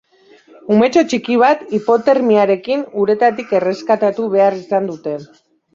Umetxo txiki bat hipotermiarekin uretik erreskatatu behar izan dute.